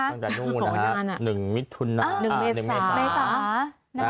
หลังจากสองงวดนะครับหนึ่งเมษศาสน์